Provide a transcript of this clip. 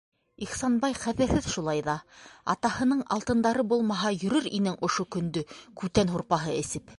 Ихсанбай ҡәҙерһеҙ шулай ҙа: атаһының алтындары булмаһа, йөрөр инең ошо көндө күтән һурпаһы эсеп...